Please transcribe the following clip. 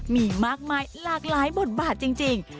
มีมากมายหลากหลายบทบาทจริง